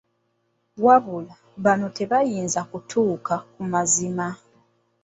Wabula bano tebayinza kutuuka ku mazima.